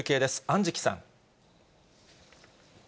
安食さん。